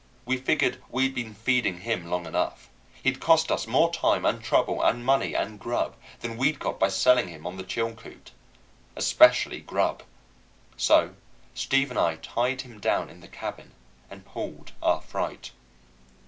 We figured we'd been feeding him long enough. He'd cost us more time and trouble and money and grub than we'd got by selling him on the Chilcoot especially grub. So Steve and I tied him down in the cabin and pulled our freight.